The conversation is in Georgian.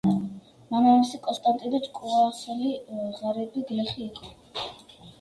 მამამისი, კონსტანტინე ჭკუასელი ღარიბი გლეხი იყო.